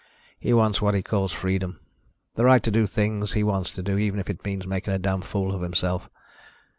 He wants what he calls freedom. The right to do the things he wants to do, even if it means making a damn fool of himself.